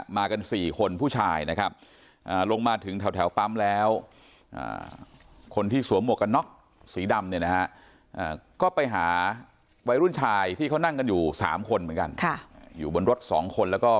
มากันสี่คนผู้ชายนะฮะอ่าลงมาถึงแถวแถวปั๊มแล้ว